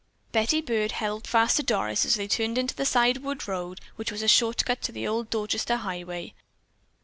Betty Byrd held fast to Doris as they turned into the side wood road which was a shortcut to the old Dorchester highway.